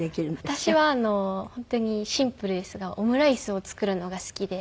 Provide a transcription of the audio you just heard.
私は本当にシンプルですがオムライスを作るのが好きで。